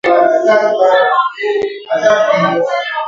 magamba na ngombe vilitumika katika kuhifadhi thamani